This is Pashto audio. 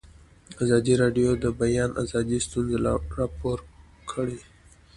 ازادي راډیو د د بیان آزادي ستونزې راپور کړي.